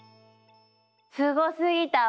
すごすぎたわ。